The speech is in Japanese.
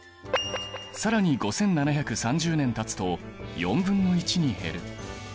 更に５７３０年たつと４分の１に減る。